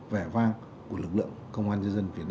vẻ vang của lực lượng